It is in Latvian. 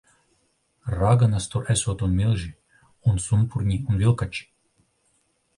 Raganas tur esot un milži. Un sumpurņi un vilkači.